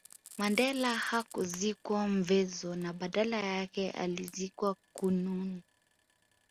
Mandela hakuzikwa Mvezo na badala yake alizikwa Qunu